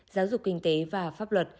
giáo dục kinh tế và pháp luật